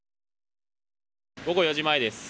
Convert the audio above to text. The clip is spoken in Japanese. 午後４時前です。